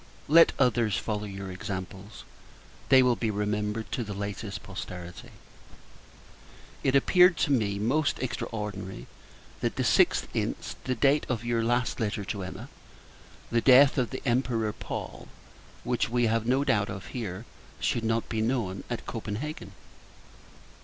Let others follow your examples; they will be remembered to the latest posterity. It appeared to me most extraordinary, that the 6th inst. the date of your last letter to Emma, the death of the Emperor Paul (which we have no doubt of here) should not be known at Copenhagen!